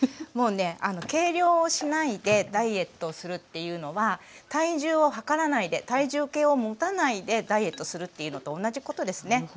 もうね計量をしないでダイエットをするっていうのは体重を量らないで体重計を持たないでダイエットするっていうのと同じことですね。